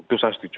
itu saya setuju